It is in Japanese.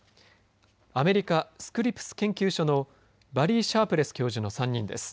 アメリカ・スクリプス研究所のバリー・シャープレス教授の３人です。